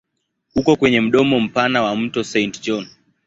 Uko kwenye mdomo mpana wa mto Saint John.